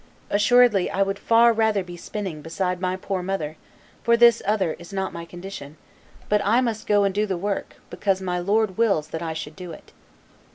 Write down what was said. Assuredly I would far rather be spinning beside my poor mother, for this other is not my condition; but I must go and do the work because my Lord wills that I should do it."